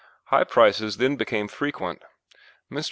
High prices then became frequent. Mr.